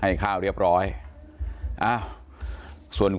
ปลาส้มกลับมาถึงบ้านโอ้โหดีใจมาก